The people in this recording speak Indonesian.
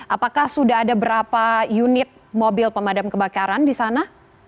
apakah sudah ada berapa unit mobil pemadam kebakaran di sana